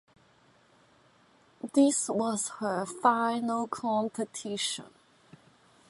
This was her final competition.